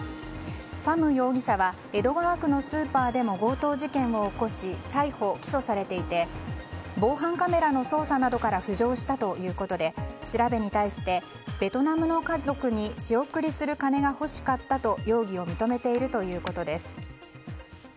ファム容疑者は江戸川区のスーパーでも強盗事件を起こし逮捕・起訴されていて防犯カメラの捜査などから浮上したということで調べに対してベトナムの家族に仕送りする金が欲しかったと容疑を認めているということです。